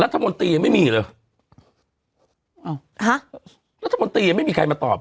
รัฐมนตร์ตียังไม่มีเลยเอ่อฮะรัฐมนตร์ตียังไม่มีใครมาตอบ